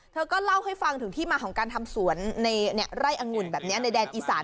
เธอก็เล่าให้ฟังถึงที่มาของการทำสวนในไร่อังุ่นแบบนี้ในแดนอีสาน